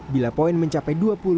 bila poin mencapai dua puluh